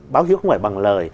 báo hiếu không phải bằng lời